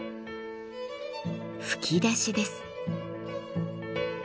吹き出しです。